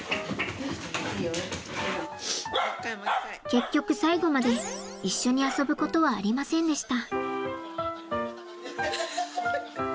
結局最後まで一緒に遊ぶことはありませんでした。